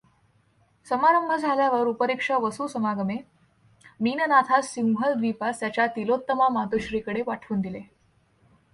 समारंभ झाल्यावर उपरिक्ष वसूसमागमें मीननाथास सिंहलद्वीपास त्याच्या तिलोत्तमा मातोश्रीकडे पाठवून दिलें.